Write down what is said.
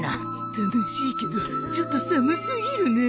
楽しいけどちょっと寒すぎるね。